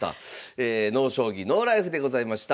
「ＮＯ将棋ＮＯＬＩＦＥ」でございました。